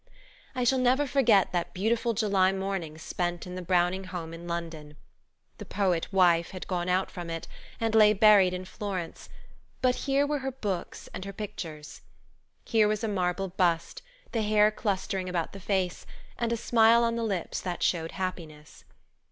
I shall never forget that beautiful July morning spent in the Browning home in London. The poet wife had gone out from it, and lay buried in Florence, but here were her books and her pictures. Here was a marble bust, the hair clustering about the face, and a smile on the lips that showed happiness.